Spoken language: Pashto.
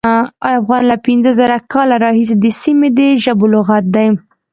افغان له پینځه زره کاله راهیسې د سیمې د ژبو لغت دی.